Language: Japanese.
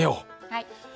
はい。